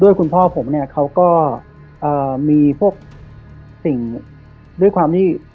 คุณพ่อผมเนี่ยเขาก็มีพวกสิ่งด้วยความที่